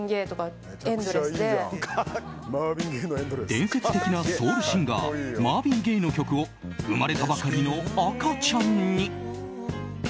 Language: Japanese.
伝説的なソウルシンガーマーヴィン・ゲイの曲を生まれたばかりの赤ちゃんに。